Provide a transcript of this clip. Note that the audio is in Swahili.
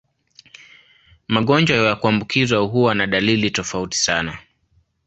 Magonjwa ya kuambukizwa huwa na dalili tofauti sana.